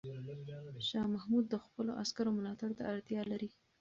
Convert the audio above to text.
شاه محمود د خپلو عسکرو ملاتړ ته اړتیا لري.